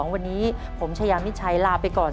วันนี้ผมชายามิชัยลาไปก่อน